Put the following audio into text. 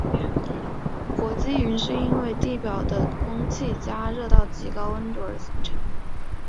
火积云是因为来自地表的空气被加热到极高温而形成。